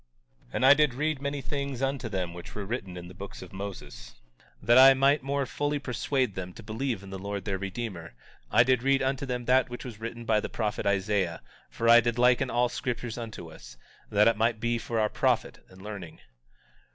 19:23 And I did read many things unto them which were written in the books of Moses; but that I might more fully persuade them to believe in the Lord their Redeemer I did read unto them that which was written by the prophet Isaiah; for I did liken all scriptures unto us, that it might be for our profit and learning.